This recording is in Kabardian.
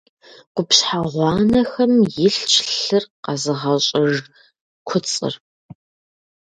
Къупщхьэ гъуанэхэм илъщ лъыр къэзыгъэщӏыж куцӏыр.